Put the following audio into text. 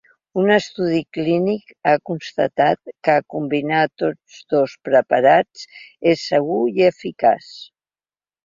Un estudi clínic ha constatat que combinar tots dos preparats és segur i eficaç.